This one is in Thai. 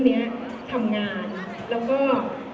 เสียงปลดมือจังกัน